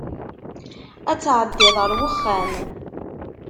Ad tɛeddiḍ ar wexxam.